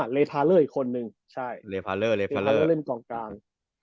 เลภาเลอร์อีกคนนึงเลภาเลอร์เล่นกองกลาง